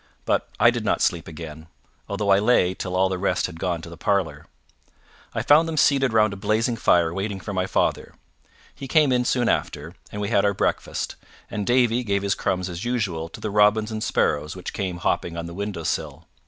But I did not sleep again, although I lay till all the rest had gone to the parlour. I found them seated round a blazing fire waiting for my father. He came in soon after, and we had our breakfast, and Davie gave his crumbs as usual to the robins and sparrows which came hopping on the window sill.